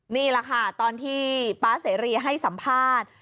นี่แหละค่ะตอนที่ป๊าเสรีให้สัมภาษณ์